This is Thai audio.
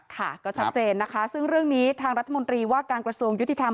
ค่ะก็ชัดเจนนะคะซึ่งเรื่องนี้ทางรัฐมนตรีว่าการกระทรวงยุติธรรม